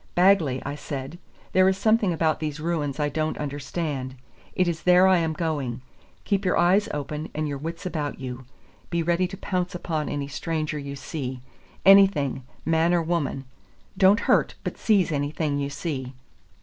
"Bagley," I said, "there is something about these ruins I don't understand. It is there I am going. Keep your eyes open and your wits about you. Be ready to pounce upon any stranger you see, anything, man or woman. Don't hurt, but seize anything you see."